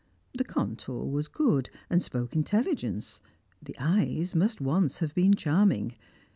The contour was good, and spoke intelligence; the eyes must once have been charming.